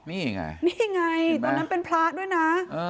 นี่ไงเฮ่ยรู้ดิมั้ยนี่ไงตอนนั้นเป็นพระด้วยนะ